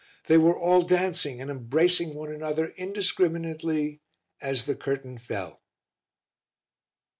They were all dancing and embracing one another indiscriminately as the curtain fell.